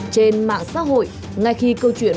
trên mạng xã hội ngay khi câu chuyện